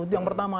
itu yang pertama